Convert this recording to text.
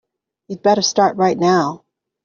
You'd better start right now.